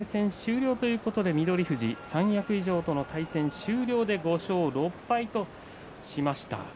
大栄翔戦関脇戦終了ということで翠富士、三役以上との対戦が終わって５勝６敗としました。